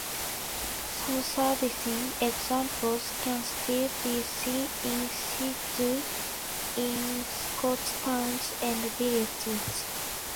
Some surviving examples can still be seen "in situ" in Scottish towns and villages.